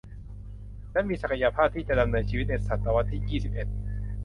และมีศักยภาพที่จะดำเนินชีวิตในศตวรรษที่ยี่สิบเอ็ด